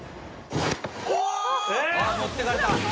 あっ持ってかれた。